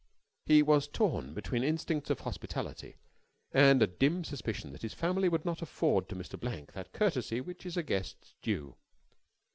He was torn between instincts of hospitality and a dim suspicion that his family would not afford to Mr. Blank that courtesy which is a guest's due.